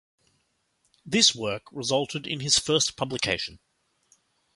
This work resulted in his first publication.